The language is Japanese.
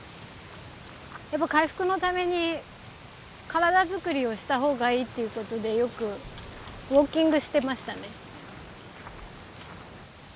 やっぱ回復のために体づくりをした方がいいということでよくウォーキングしてましたね。